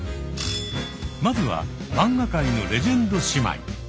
まずは漫画界のレジェンド姉妹。